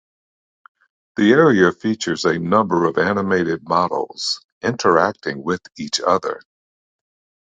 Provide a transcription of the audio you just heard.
The area features a number of animated models, interacting with each other.